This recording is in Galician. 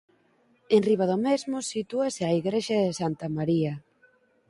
Enriba do mesmo sitúase a igrexa de Santa María.